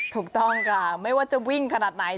ถูกต้องค่ะไม่ว่าจะวิ่งขนาดไหน